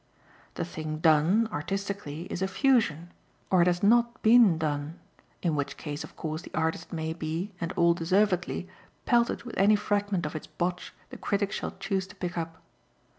The thing "done," artistically, is a fusion, or it has not BEEN done in which case of course the artist may be, and all deservedly, pelted with any fragment of his botch the critic shall choose to pick up.